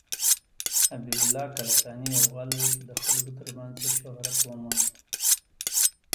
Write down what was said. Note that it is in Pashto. حبيب الله کلکاني يو غل وه ،چې د خلکو تر منځ يې شهرت وموند.